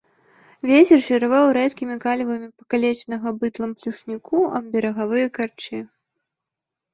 Вецер шараваў рэдкімі калівамі пакалечанага быдлам плюшніку аб берагавыя карчы.